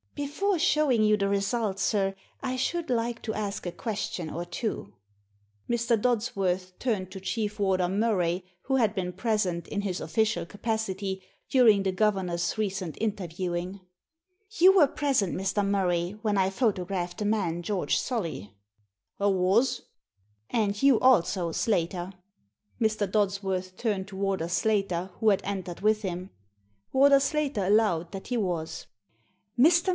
" Before showing you the result, sir, I should like to ask a question or two." Mr. Dodsworth turned to Chief Warder Murray, who had been present, in his official capacity, during the governor's recent inter viewing. "You were present, Mr. Murray, when I photographed the man George Solly?" " I was." " And you also. Slater ?" Mr. Dodsworth turned to Warder Slater, who had entered with him. Warder Slater allowed that he was. "Mr.